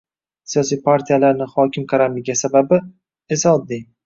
Siyosiy partiyalarni hokimlar qaramligiga sabab esa oddiy: